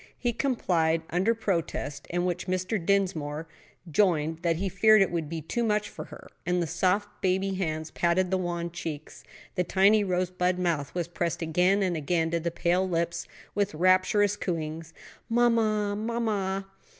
He complied under protest, in which Mr. Dinsmore joined, that he feared it would be too much for her; and the soft baby hands patted the wan cheeks, the tiny rosebud mouth was pressed again and again to the pale lips with rapturous cooings, "Mamma, mamma!"